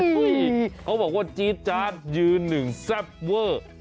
เขาบอกว่าจี๊ดจาดยืนหนึ่งแซ่บเวอร์